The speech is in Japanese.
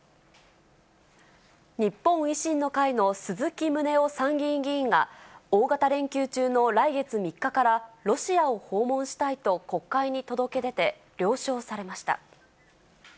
日本維新の会の鈴木宗男参議院議員が、大型連休中の来月３日からロシアを訪問したいと国会に届け出て、了承されました。